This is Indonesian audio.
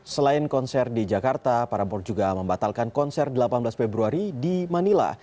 selain konser di jakarta paraboard juga membatalkan konser delapan belas februari di manila